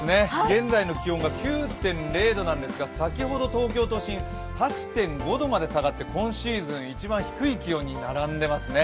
現在の気温が９．０度なんですが、先ほど東京都心８．５度まで下がって今シーズン一番低い気温に並んでますね。